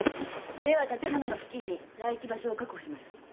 では建物の付近に待機場所を確保します。